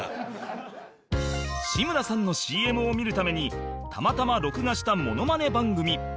志村さんの ＣＭ を見るためにたまたま録画したモノマネ番組